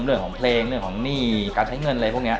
เรื่องของเพลงเรื่องของหนี้การใช้เงินอะไรพวกนี้